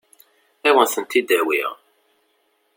Ad wen-tent-id-awiɣ.